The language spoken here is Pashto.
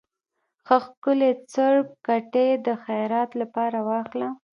ښه ښکلے څورب کټے د خيرات لپاره واخله۔